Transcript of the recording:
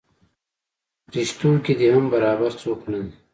پریشتو کې دې هم برابر څوک نه دی.